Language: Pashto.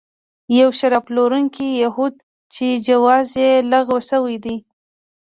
یو شراب پلورونکی یهود چې جواز یې لغوه شوی دی.